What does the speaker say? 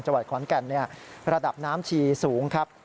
จังหวัดขอนแก่นระดับน้ำชีสูงครับ